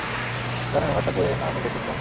জানেন, উনার সাথে না আমি ডেট করতাম?